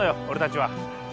俺たちは。